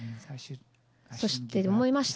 そして思いました。